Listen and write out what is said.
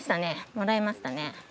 もらえましたね。